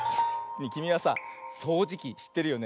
きみはさそうじきしってるよね？